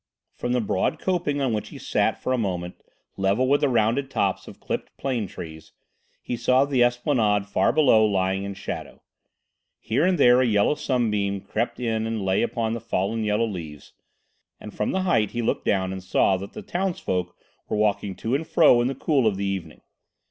From the broad coping on which he sat for a moment, level with the rounded tops of clipped plane trees, he saw the esplanade far below lying in shadow. Here and there a yellow sunbeam crept in and lay upon the fallen yellow leaves, and from the height he looked down and saw that the townsfolk were walking to and fro in the cool of the evening.